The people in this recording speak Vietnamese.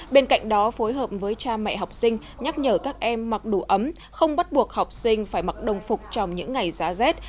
bên cạnh đó phối hợp với cha mẹ học sinh nhắc nhở các em mặc đủ ấm không bắt buộc học sinh phải mặc đồng phục trong những ngày giá rét